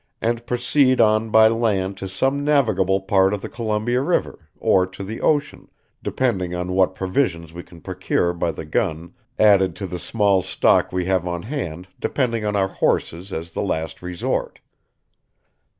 and proceed on by land to some navagable part of the Columbia river, or to the Ocean, depending on what provisions we can Precure by the gun aded to the small stock we have on hand depending on our horses as the last resort."